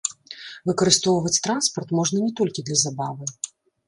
Выкарыстоўваць транспарт можна не толькі для забавы.